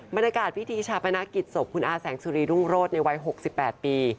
บรรยากาศพิธีชาปนกิจศพคุณอาแสงสุรีรุ่งโรศในวัย๖๘ปี